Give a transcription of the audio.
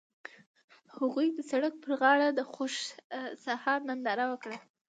هغوی د سړک پر غاړه د خوښ سهار ننداره وکړه.